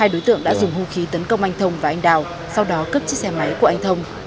hai đối tượng đã dùng hung khí tấn công anh thông và anh đào sau đó cướp chiếc xe máy của anh thông